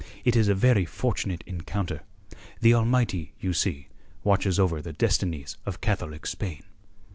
It is a very fortunate encounter. The Almighty, you see, watches over the destinies of Catholic Spain."